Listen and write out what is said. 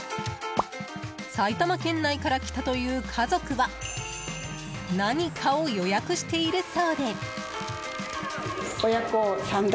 埼玉県内から来たという家族は何かを予約しているそうで。